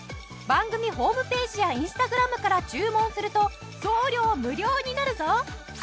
番組ホームページやインスタグラムから注文すると送料無料になるぞ！